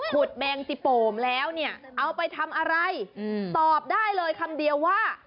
แมงจิโป่งแล้วเนี่ยเอาไปทำอะไรตอบได้เลยคำเดียวว่า